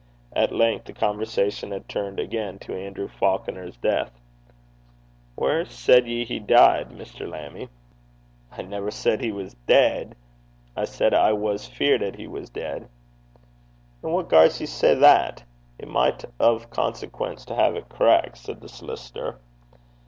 At length the conversation had turned again to Andrew Falconer's death. 'Whaur said ye he dee'd, Mr. Lammie?' 'I never said he was deid. I said I was feared 'at he was deid.' 'An' what gars ye say that? It micht be o' consequence to hae 't correck,' said the solicitor.